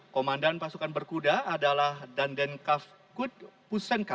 komandan pasukan berkuda adalah danden kavkud pusenka